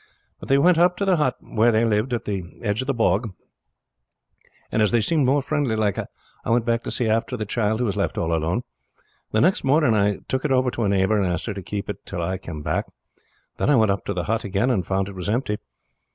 But they went up to the hut where they lived at the edge of the bog, and as they seemed more friendly like I went back to see after the child, who was left all alone. The next morning I took it over to a neighbor and asked her to keep it till I came back. Then I went up to the hut again and found it was empty.